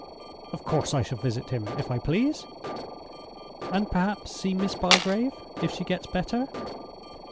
"Of course I shall visit him—if I please." "And perhaps see Miss Bygrave, if she gets better?"